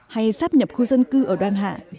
hay sáp nhập khu dân cư ở đoàn hạ